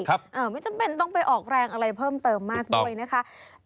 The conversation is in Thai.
ไม่จำเป็นต้องไปออกแรงอะไรเพิ่มเติมมากด้วยนะคะ